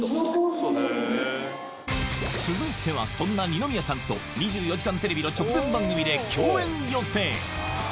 続いてはそんな二宮さんと『２４時間テレビ』の直前番組で共演予定